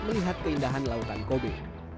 melihat keindahan lautan kobe